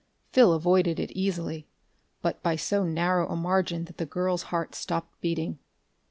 Phil avoided it easily, but by so narrow a margin that the girl's heart stopped beating.